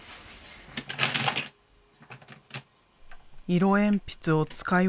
色鉛筆を使い分け